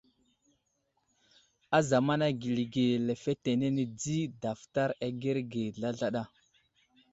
Ázamana geli ge lefetenene di daftar agerge zlazlaɗa.